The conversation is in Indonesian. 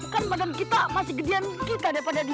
kan badan kita masih gedean kita daripada dulu